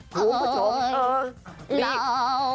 คุณผู้ชม